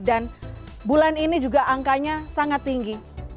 bulan ini juga angkanya sangat tinggi